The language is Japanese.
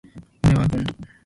俺はゴン。